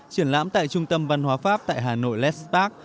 triển lãm tại trung tâm văn hóa pháp tại hà nội let s park